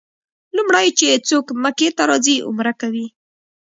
لومړی چې څوک مکې ته راځي عمره کوي.